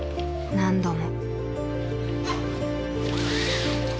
何度も。